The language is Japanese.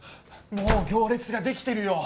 もう行列ができてるよ！